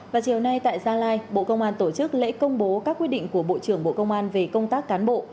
và chiều nay tại gia lai bộ công an tổ chức lễ công bố các quyết định của bộ trưởng bộ công an về công tác cán bộ